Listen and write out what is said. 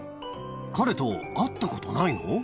彼と会ったことないの？